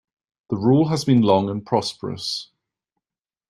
The rule has been long and prosperous.